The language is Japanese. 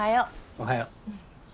おはよう。